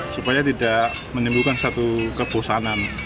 supaya tidak menimbulkan satu kebosanan